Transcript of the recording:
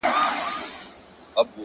ما درته وژړل؛ ستا نه د دې لپاره؛